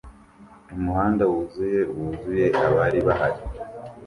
Umuhanda wuzuye wuzuye abari bahari